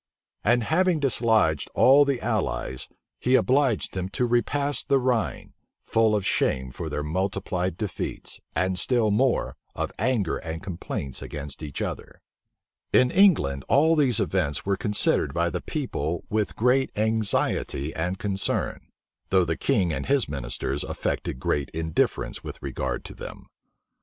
And having dislodged all the allies, he obliged them to repass the Rhine, full of shame for their multiplied defeats, and still more, of anger and complaints against each other. In England, all these events were considered by the people with great anxiety and concern; though the king and his ministers affected great indifference with regard to them.